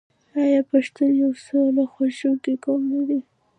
آیا پښتون یو سوله خوښوونکی قوم نه دی؟